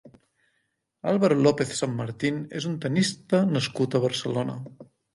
Álvaro López San Martín és un tennista nascut a Barcelona.